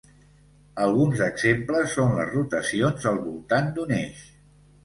Alguns exemples són les rotacions al voltant d'un eix.